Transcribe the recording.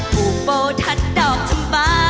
ภูโบทัดดอกชำบา